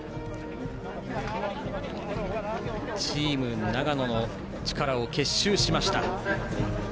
チーム長野の力を結集しました。